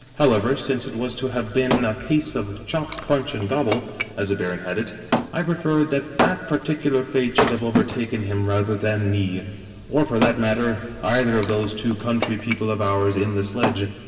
However, since it was to have been a case of ' chop, crunch^ and gobble,' as the baron had it, I preferred that that par ticular fate should have overtaken him rather than me — or, for that matter, either of those two country people of ours in the sledge.